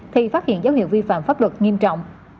thì phát hiện dấu hiệu vi phạm pháp luật nghiêm trọng